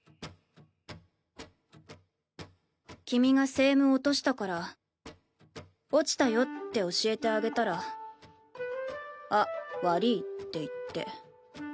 君がセームを落としたから「落ちたよ」って教えてあげたら「あっ悪ぃ」って言って。